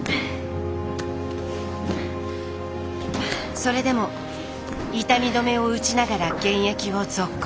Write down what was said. それでも痛み止めを打ちながら現役を続行。